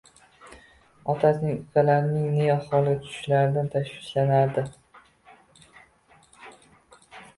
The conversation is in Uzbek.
Otasining ukalarining ne ahvolga tushishlaridan tashvishlanardi.